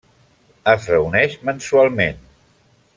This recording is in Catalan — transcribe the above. Es reuneix mensualment.